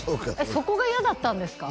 そこが嫌だったんですか？